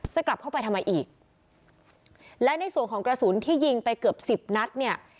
จะกลับเข้าไปทำไมอีกและในส่วนของกระสุนที่ยิงไปเกือบสิบนัดเนี่ย